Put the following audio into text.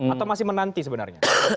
atau masih menanti sebenarnya